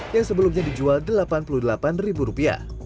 yang sebelumnya dijual rp delapan puluh delapan